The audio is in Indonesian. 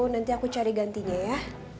nanti aku cari gantinya ya